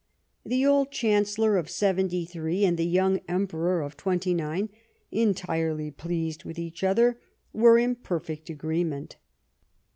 The old Chancellor of seventy three and the young Emperor of twenty nine, entirely pleased with each other, were in per fect agreement.